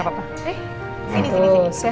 eh sini sini